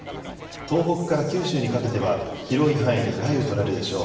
東北から九州にかけては広い範囲で雷雨となるでしょう。